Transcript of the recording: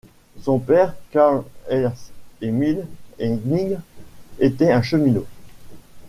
Son père, Karl Ernst Emil Hennig, était un cheminot.